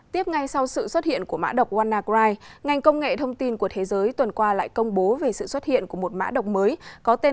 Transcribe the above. tiếp ngay sau sự xuất hiện của mã độc wanacry ngành công nghệ thông tin của thế giới tuần qua lại công bố về sự xuất hiện của một mã độc mới